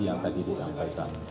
yang tadi disampaikan